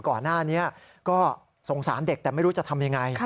ก่อนหน้านี้ก็สงสารเด็กแต่ไม่รู้จะทำยังไง